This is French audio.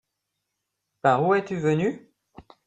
Par où es-tu venu ?